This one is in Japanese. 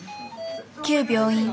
旧病院